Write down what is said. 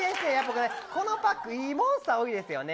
このパックいいモンスターが多いですね。